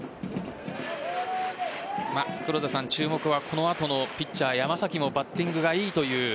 注目はこの後のピッチャー・山崎もバッティングがいいという。